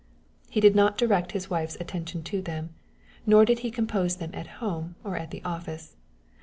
He did not direct his wife's attention to them, nor did he compose them at home or at the office.